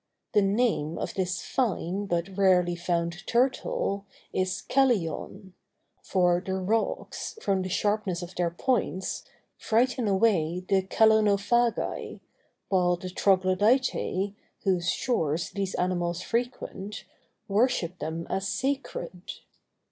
The name of this fine but rarely found turtle, is "chelyon;" for the rocks, from the sharpness of their points, frighten away the Chelonophagi, while the Troglodytæ, whose shores these animals frequent, worship them as sacred.